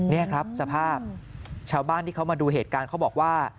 นี่ครับสภาพชาวบ้านที่เขามาดูเหตุการณ์เขาบอกว่า